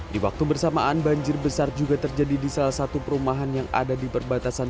di waktu bersamaan banjir besar juga terjadi di salah satu perumahan yang ada di perbatasan